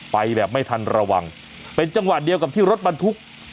ไปแบบไม่ทันระวังเป็นจังหวะเดียวกับที่รถบรรทุก